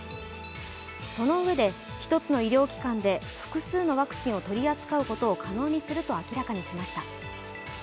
そのうえで、１つの医療機関で複数のワクチンを取り扱うことを可能にすると明らかにしました。